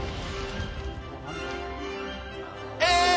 えっ？